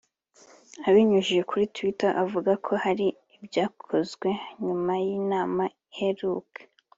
abinyujije kuri twitter avuga ko “hari ibyakozwe nyuma y’inama iheruka